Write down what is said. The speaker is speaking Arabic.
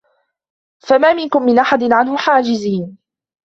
فَمَا مِنْكُمْ مِنْ أَحَدٍ عَنْهُ حَاجِزِينَ